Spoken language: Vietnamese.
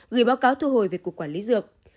gửi báo cáo thu hồi về cục quản lý dược